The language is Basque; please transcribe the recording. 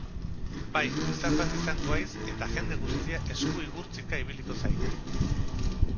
Bai, izar bat izango haiz, eta jende guztia esku-igurtzika ibiliko zaik.